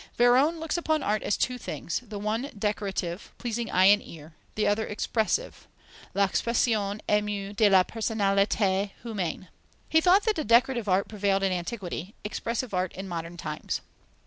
Véron looks upon art as two things: the one decorative, pleasing eye and ear, the other expressive, "l'expression émue de la personalité humaine." He thought that decorative art prevailed in antiquity, expressive art in modern times.